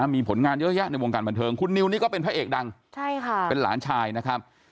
มีผลงานเยอะแยะในวงการบันเทิงคุณนิวนี่ก็เป็นพระเอกดังเป็นหลานชายนะครับ